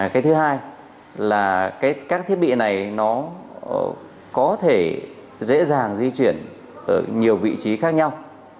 cái thứ hai là các thiết bị này nó có thể dễ dàng di chuyển ở nhiều vị trí khác nhau